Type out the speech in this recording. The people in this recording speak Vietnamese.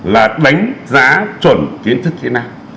là đánh giá chuẩn kiến thức thế nào